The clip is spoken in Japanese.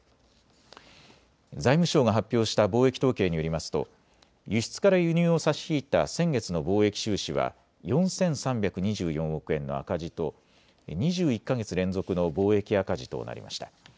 財務省が発表した貿易統計によりますと輸出から輸入を差し引いた先月の貿易収支は４３２４億円の赤字と２１か月連続の貿易赤字となりました。